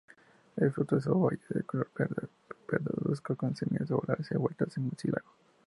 El fruto es ovoide, de color verde parduzco con semillas ovales envueltas en mucílago.